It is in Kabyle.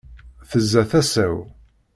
Tezza tasa-w.